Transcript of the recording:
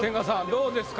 どうですか？